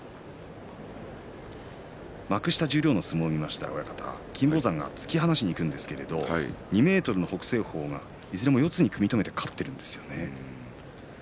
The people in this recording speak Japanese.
幕下十両の相撲を見ましたら金峰山が突き放しにくるんですけど２ｍの北青鵬がいずれも四つに組み止めて勝っているんですよね。